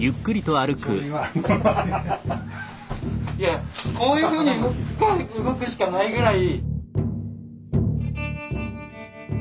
いやいやこういうふうに動くしかないぐらい。